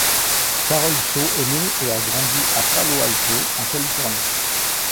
Carol Shaw est née et a grandi à Palo Alto en Californie.